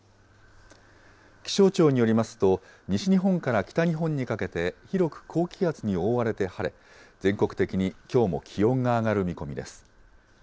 気象庁によりますと、西日本から北日本にかけて、広く高気圧に覆われて晴れ、全国的にきょうも気温が上がる見込みです。